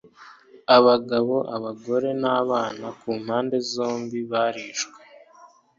Abagabo abagore nabana ku mpande zombi barishwe